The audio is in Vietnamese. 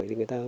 thì người ta